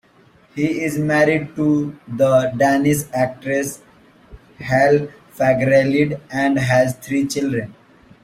He is married to the Danish actress, Helle Fagralid, and has three children.